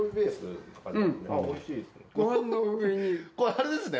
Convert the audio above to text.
あれですね